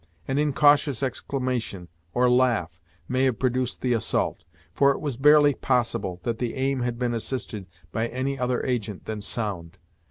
An incautious exclamation, or laugh, may have produced the assault, for it was barely possible that the aim had been assisted by any other agent than sound.